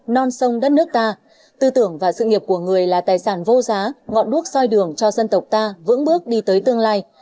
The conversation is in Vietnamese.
non sông đất nước ta tư tưởng và sự nghiệp của người là tài sản vô giá ngọn đuốc soi đường cho dân tộc ta vững bước đi tới tương lai